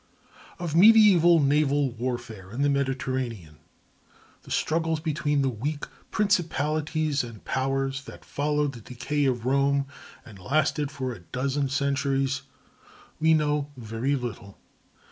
Of medieval naval warfare in the Mediterranean, the struggles between the weak "principalities and powers" that followed the decay of Rome and lasted for a dozen centuries, we know very little.